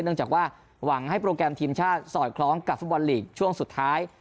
เนื่องจากว่าหวังให้โปรแกรมทีมชาติสอดคล้องกับฟุตบอลลีกช่วงสุดท้าย